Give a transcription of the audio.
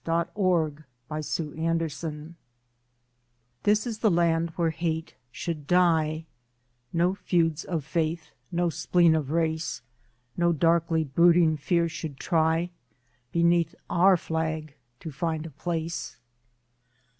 STUMBLING BLOCKS TO ASSIMILATION This is the land where hate should die No feuds of faith, no spleen of race, No darkly brooding fear should try Beneath our flag to find a place.